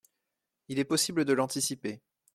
Il est possible de l’anticiper.